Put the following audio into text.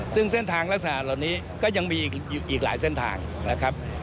ซึ่งเส้นทางลักษณะเหล่านี้ก็ยังมีอีกหลายเส้นทางนะครับ